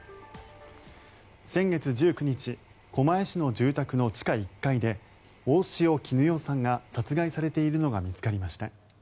先月１９日狛江市の住宅の地下１階で大塩衣與さんが殺害されているのが見つかりました。